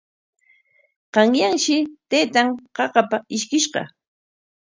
Qanyanshi taytan qaqapa ishkishqa.